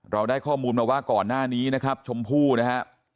เราได้ข้อมูลมาว่าก่อนหน้านี้นะครับชมพู่นะฮะ